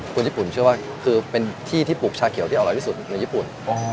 คนญี่ปุ่นเชื่อว่าคือเป็นที่ที่ปลูกชาเขียวที่อร่อยที่สุดในญี่ปุ่น